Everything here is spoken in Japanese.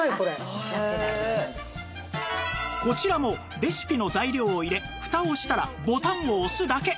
こちらもレシピの材料を入れふたをしたらボタンを押すだけ